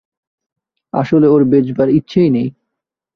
আসলে ওর বেচবার ইচ্ছেই নেই!